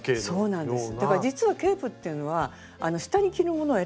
そうなんです。